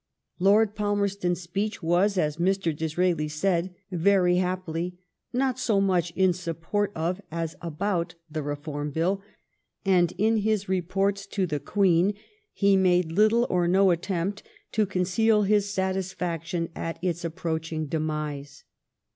Lord Palmerston's speech was, as Mr. Disraeli said, very hap« pily, *' not so much in support of, as about *' the Beform Bill ; and in his reports to the Queen he made little or no attempt to conceal his satisfaction at its approaching demise.